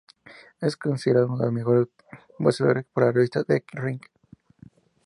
Es considerado uno de los mejores boxeadores por la revista "The Ring".